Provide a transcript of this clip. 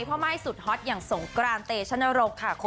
เพราะไม่สุดฮอตอย่างสงกรานเตชนรกค่ะคุณ